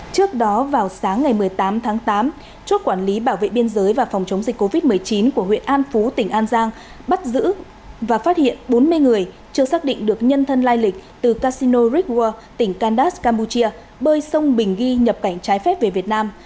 trước đó vào sáng ngày một mươi tám tháng tám chốt quản lý bảo vệ biên giới và phòng chống dịch covid một mươi chín của huyện an phú tỉnh an giang bắt giữ và phát hiện bốn mươi người chưa xác định được nhân thân lai lịch từ casino rickworld tỉnh kandas campuchia bơi sông bình ghi nhập cảnh trái phép về việt nam